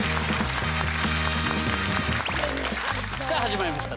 さあ始まりました